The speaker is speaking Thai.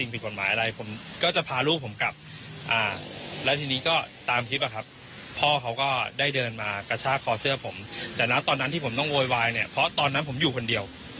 เพราะตอนนั้นผมอยู่คนเดียว